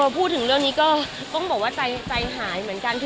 พูดถึงเรื่องนี้ก็ต้องบอกว่าใจหายเหมือนกัน